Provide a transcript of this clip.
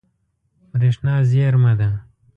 برېښنا زیرمه ده.